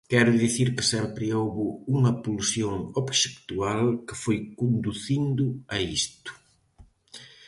Quero dicir que sempre houbo unha pulsión obxectual que foi conducindo a isto.